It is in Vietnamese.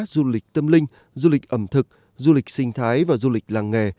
du lịch tâm linh du lịch ẩm thực du lịch sinh thái và du lịch làng nghề